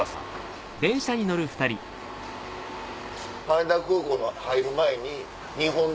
羽田空港の入る前に。